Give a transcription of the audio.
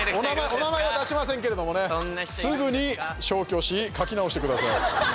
お名前は出しませんけれどもねすぐに消去し書き直してください。